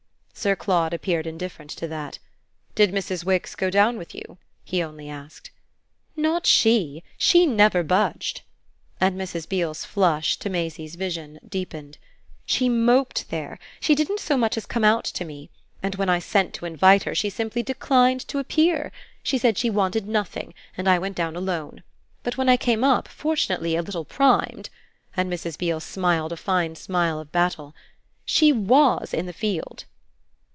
Sir Claude appeared indifferent to that. "Did Mrs. Wix go down with you?" he only asked. "Not she; she never budged!" and Mrs. Beale's flush, to Maisie's vision, deepened. "She moped there she didn't so much as come out to me; and when I sent to invite her she simply declined to appear. She said she wanted nothing, and I went down alone. But when I came up, fortunately a little primed" and Mrs. Beale smiled a fine smile of battle "she WAS in the field!"